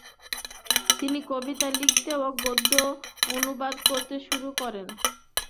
তিনি কবিতা লিখতে ও পদ্য অনুবাদ করতে শুরু করেন।